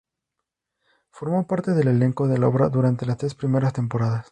Formó parte del elenco de la obra durante las tres primeras temporadas.